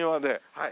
はい。